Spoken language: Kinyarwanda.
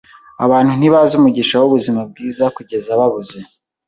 Abantu ntibazi umugisha wubuzima bwiza kugeza babuze.